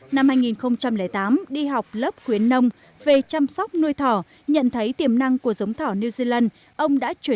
năm hai nghìn tám đi học lớp khuyến nông về chăm sóc nuôi thỏ nhận thấy tiềm năng của giống thỏ new zealand